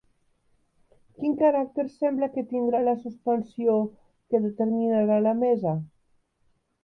Quin caràcter sembla que tindrà la suspensió que determinarà la mesa?